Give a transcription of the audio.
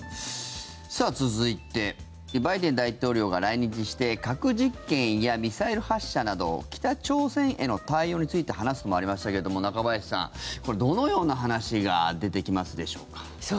続いてバイデン大統領が来日して核実験やミサイル発射など北朝鮮への対応について話すとありましたけど中林さん、どのような話が出てきますでしょうか。